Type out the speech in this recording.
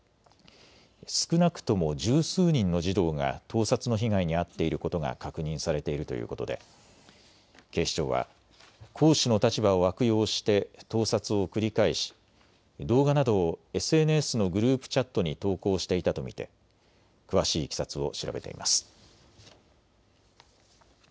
少なくとも十数人の児童が盗撮の被害に遭っていることが確認されているということで警視庁は講師の立場を悪用して盗撮を繰り返し、動画などをＳＮＳのグループチャットに投稿していたと見て詳しいいきさつを調べています。